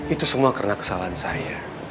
itu semua karena kesalahan saya